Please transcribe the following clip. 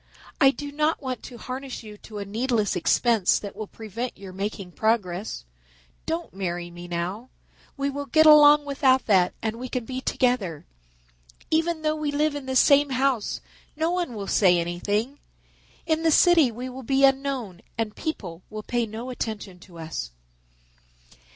"I do not want to harness you to a needless expense that will prevent your making progress. Don't marry me now. We will get along without that and we can be together. Even though we live in the same house no one will say anything. In the city we will be unknown and people will pay no attention to us."